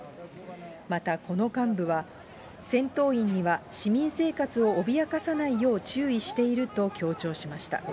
また、この幹部は、戦闘員には市民生活を脅かさないよう注意していると強調しました。